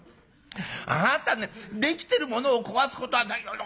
あなたねできてるものを壊すことはない。